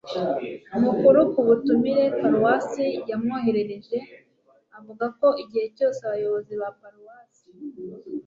mukuru ku butumire paruwasi yamwoherereje, avuga ko igihe cyose abayobozi ba paruwasi